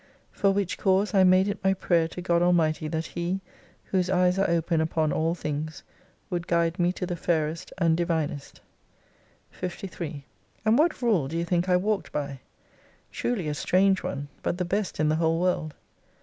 For which cause I made it my prayer to God Almighty that He, whose eyes are open upon all things, would guide me to the fairest and divinest. 53 And what rule do you think I walked by ? Tinily a strange one, but the best in the whole world.